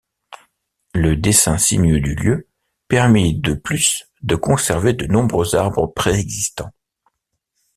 Le dessin sinueux du lieu permit de plus de conserver de nombreux arbres préexistants.